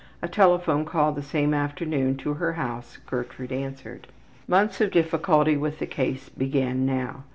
A telephone call the same afternoon to her house Gertrude answered. Months of difficulty with the case began now.